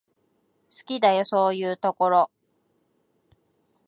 好きだよ、そういうところ。